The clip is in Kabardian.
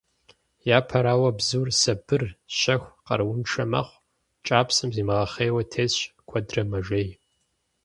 Япэрауэ, бзур сабыр, щэху, къарууншэ мэхъу, кӏапсэм зимыгъэхъейуэ тесщ, куэдрэ мэжей.